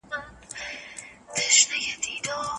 د سياست او کلتور شخړه کله کله رامينځته کيږي.